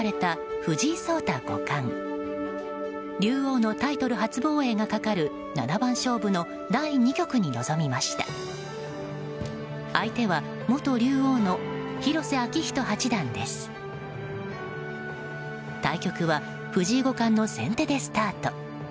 対局は藤井五冠の先手でスタート。